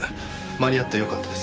間に合ってよかったです。